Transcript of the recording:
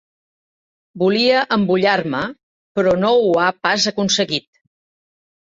Volia embullar-me, però no ho ha pas aconseguit!